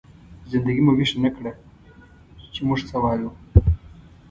زنده ګي مو ويښه نه کړه، چې موږ څه يو؟!